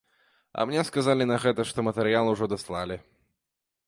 А мне сказалі на гэта, што матэрыял ужо даслалі.